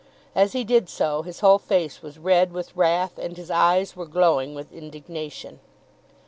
As he did so, his whole face was red with wrath, and his eyes were glowing with indignation.